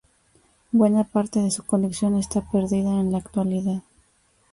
Buena parte de su colección está perdida en la actualidad.